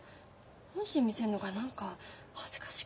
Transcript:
本心見せるのが何か恥ずかしくて。